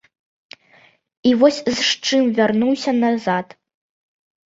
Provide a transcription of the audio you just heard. І вось з чым вярнуўся назад.